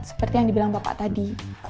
seperti yang dibilang bapak tadi